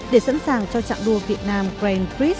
để sẵn sàng cho trạng đua việt nam grand prix